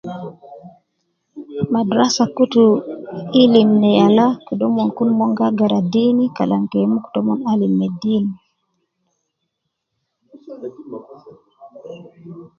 Madrasa kutu ilim ne yala omon kun mon gi agara deen Kalam ke muku tomon gen me deen